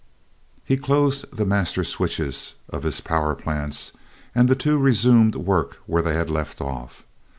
He closed the master switches of his power plants and the two resumed work where they had left off.